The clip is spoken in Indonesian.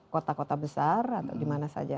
kota kota besar atau di mana saja